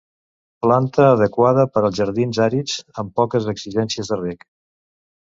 Planta adequada per a jardins àrids, amb poques exigències de reg.